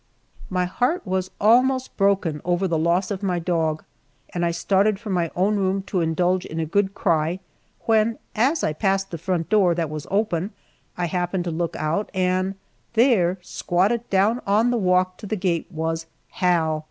My heart was almost broken over the loss of my dog, and I started for my own room to indulge in a good cry when, as I passed the front door that was open, I happened to look out, and there, squatted down on the walk to the gate was Hal!